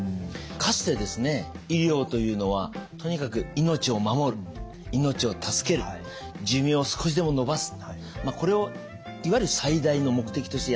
かつてですね医療というのはとにかく命を守る命を助ける寿命を少しでも延ばすこれをいわゆる最大の目的としてやってきたんですよね。